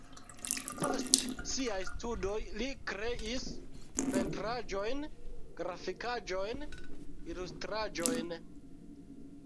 Post siaj studoj li kreis pentraĵojn, grafikaĵojn, ilustraĵojn.